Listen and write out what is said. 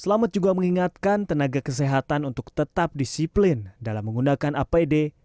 selamat juga mengingatkan tenaga kesehatan untuk tetap disiplin dalam menggunakan apd